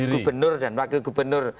gubernur dan wakil gubernur